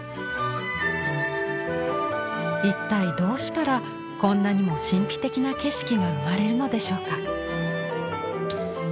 一体どうしたらこんなにも神秘的な景色が生まれるのでしょうか。